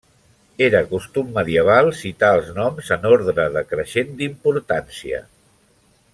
Era costum medieval citar els noms, en ordre decreixent d'importància.